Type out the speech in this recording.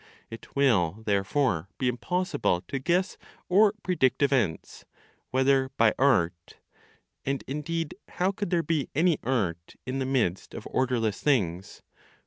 It will therefore be impossible to guess or predict events, whether by art and indeed, how could there be any art in the midst of orderless things?